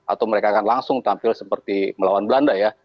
atau mereka akan langsung tampil seperti melawan belanda ya